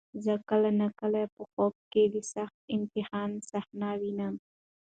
زه کله ناکله په خوب کې د سخت امتحان صحنه وینم.